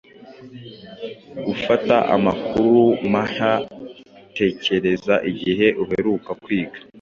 gufata amakuru mahya Tekereza igihe uheruka kwiga